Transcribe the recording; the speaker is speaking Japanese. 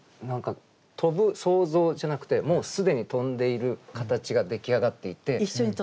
何か飛ぶ想像じゃなくてもう既に飛んでいる形が出来上がっていて。